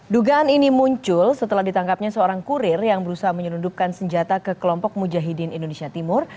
dugaan ini muncul setelah ditangkapnya seorang kurir yang berusaha menyelundupkan senjata ke kelompok mujahidin indonesia timur